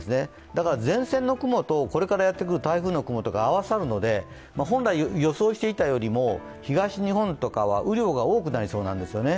だから前線の雲とこれからやってくる台風の雲が合わさるので本来予想していたよりも東日本は雨量が多くなりそうなんですよね。